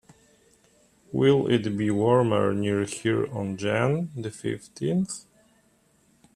Will it be warmer near here on jan. the fifteenth?